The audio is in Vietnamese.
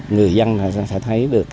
người dân sẽ thấy được